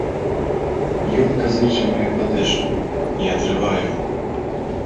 Ён казыча мае падэшвы, я трываю.